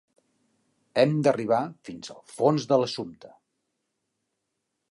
Hem d'arribar fins al fons de l'assumpte.